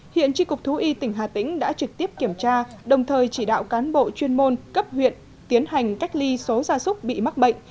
hiện tri cục thú y tỉnh hà tĩnh đã trực tiếp kiểm tra đồng thời chỉ đạo cán bộ chuyên môn cấp huyện tiến hành cách ly số gia súc bị mắc bệnh